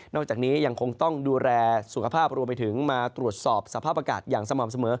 จากนี้ยังคงต้องดูแลสุขภาพรวมไปถึงมาตรวจสอบสภาพอากาศอย่างสม่ำเสมอ